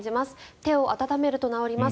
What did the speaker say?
手を温めると治ります。